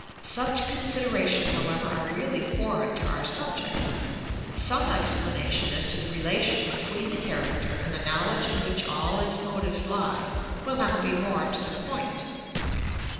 Such considerations, however, are really foreign to our subject. Some explanation as to the relation between the character and the knowledge in which all its motives lie, will now be more to the point.